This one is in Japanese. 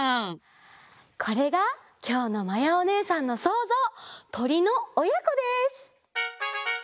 これがきょうのまやおねえさんのそうぞう「とりのおやこ」です！